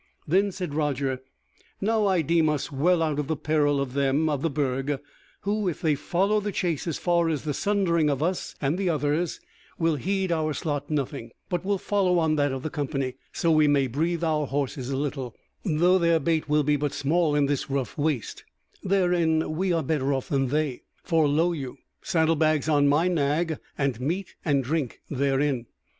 Then said Roger: "Now I deem us well out of the peril of them of the Burg, who if they follow the chase as far as the sundering of us and the others, will heed our slot nothing, but will follow on that of the company: so we may breathe our horses a little, though their bait will be but small in this rough waste: therein we are better off than they, for lo you, saddle bags on my nag and meat and drink therein."